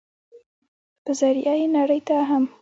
په ذريعه ئې نړۍ ته هم